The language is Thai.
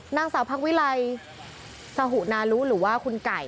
นางสาวพักวิไลสหุนาลุหรือว่าคุณไก่